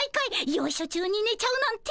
よいしょ中に寝ちゃうなんて。